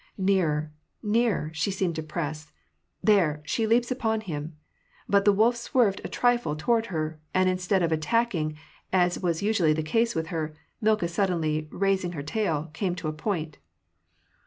Nearer, nearer, she seemed to press — there, she leaps upon him! But the wolf swerved a trifle toward her, and instead of attacking, as was usually the case with her, Milka, suddenly raising her tail, came to point.